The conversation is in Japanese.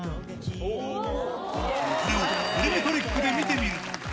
これをボリュメトリックで見てみると。